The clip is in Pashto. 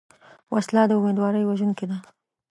وسله د امیدواري وژونکې ده